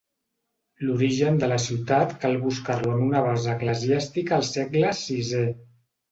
L'origen de la ciutat cal buscar-lo en una base eclesiàstica al segle sisè.